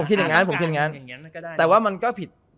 ผมคิดอย่างงั้นแต่ว่ามันก็ผิด